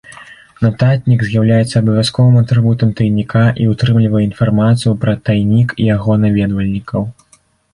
Нататнік з'яўляецца абавязковым атрыбутам тайніка і ўтрымлівае інфармацыю пра тайнік і яго наведвальнікаў.